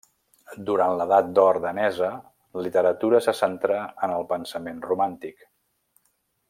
Durant l'Edat d'or danesa, la literatura se centrà en el pensament romàntic.